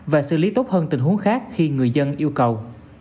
và xử lý tốt hơn tình huống khác khi người dân yêu cầu